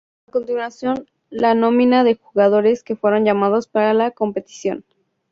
A continuación la nómina de jugadores que fueron llamados para la competición.